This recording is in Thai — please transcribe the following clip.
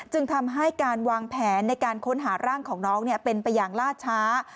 จึงทำให้การวางแผนในการค้นหาร่างของน้องเป็นไปอย่างล่าช้า